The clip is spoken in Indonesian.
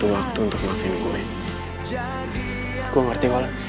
kalian tidak merasa menyebut